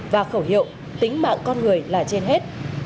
và khẩu hiệu tính mạng con người là trên hết